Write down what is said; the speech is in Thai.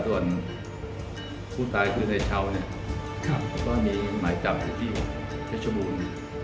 ส่วนผู้ตายคือในเช้าเนี่ยก็มีหมายจับอยู่ที่เพชรบูรณ์